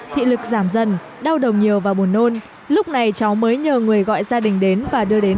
thị lực giảm dần đau đầu nhiều và buồn nôn lúc này cháu mới nhờ người gọi gia đình đến và đưa đến